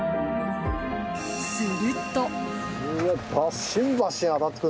すると。